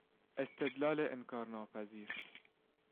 استدلال انکار ناپذیر